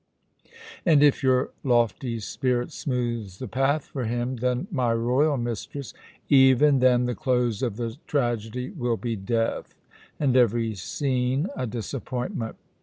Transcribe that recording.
"And if your lofty spirit smooths the path for him, then, my royal mistress " "Even then the close of the tragedy will be death, and every scene a disappointment.